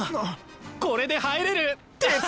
これで入れる！